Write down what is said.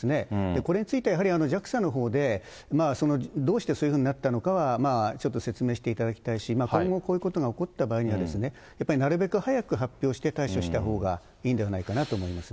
これについてはやはり、ＪＡＸＡのほうで、どうしてそういうふうになったのかはちょっと説明していただきたいし、今後、こういうことが起こった場合には、やっぱりなるべく早く発表して対処したほうがいいんではないかなと思いますね。